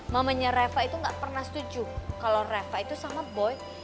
mamanya reva itu nggak pernah setuju kalau reva itu sama boy